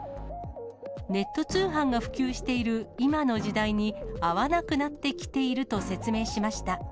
ネット通販が普及している今の時代に合わなくなってきていると説明しました。